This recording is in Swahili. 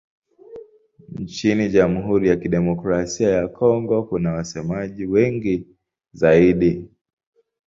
Nchini Jamhuri ya Kidemokrasia ya Kongo kuna wasemaji wengi zaidi.